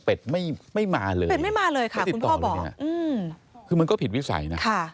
เป็ดไม่มาเลยนะไม่ติดต่อเลยนะคุณพ่อบอกเป็ดไม่มาเลยค่ะคือมันก็ผิดวิสัยนะ